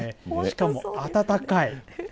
しかも暖かい。